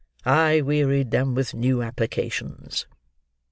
I wearied them with new applications.